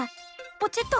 ポチッと。